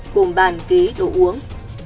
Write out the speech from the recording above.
gồm bàn ghế đồ uống